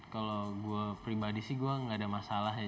kalau gua pribadi sih gua gak ada masalah ya